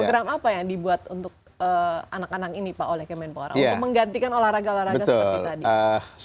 program apa yang dibuat untuk anak anak ini pak oleh kemenpora untuk menggantikan olahraga olahraga seperti tadi